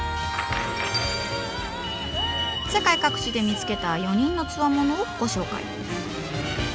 世界各地で見つけた４人のつわものをご紹介。